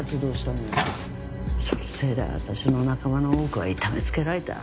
そのせいで私の仲間の多くは痛めつけられた。